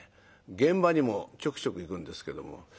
現場にもちょくちょく行くんですけども。